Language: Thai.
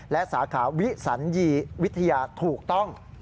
และสาขาวิสัญญีวิทยาถูกต้อง